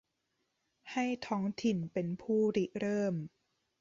ให้ท้องถิ่นเป็นผู้ริเริ่ม